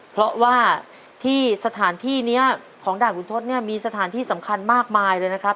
เพราะว่าที่สถานที่นี้ของด่านคุณทศเนี่ยมีสถานที่สำคัญมากมายเลยนะครับ